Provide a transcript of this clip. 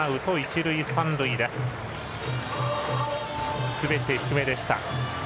すべて低めでした。